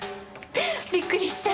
びっくりした？